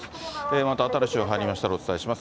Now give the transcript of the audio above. また新しい情報が入りましたらお伝えします。